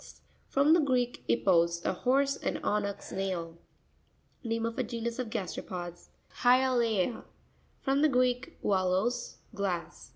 —From the Greek, ippos, a horse, and onuz, nail. Name of a genus of gasteropods (page 58). Hyata'a.—From the Greek, ualos, glass.